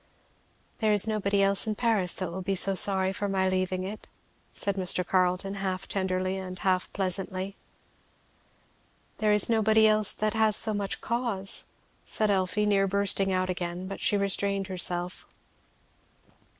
"There is nobody else in Paris that will be so sorry for my leaving it," said Mr. Carleton, half tenderly and half pleasantly. "There is nobody else that has so much cause," said Elfie, near bursting out again, but she restrained herself.